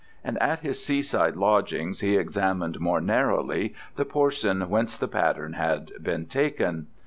And at his seaside lodgings he examined more narrowly the portion whence the pattern had been taken.